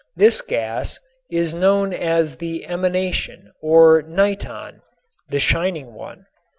This gas is known as the emanation or niton, "the shining one."